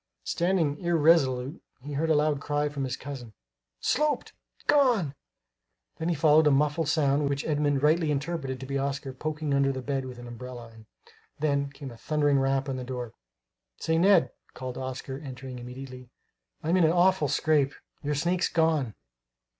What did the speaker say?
Standing irresolute, he heard a loud cry from his cousin. "Sloped! gone!" Then followed a muffled sound which Edmund rightly interpreted to be Oscar poking under the bed with an umbrella; and, then, came a thundering rap on the door. "Say, Ned," called Oscar, entering immediately, "I'm in an awful scrape! Your snake's gone!"